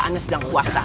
anda sedang puasa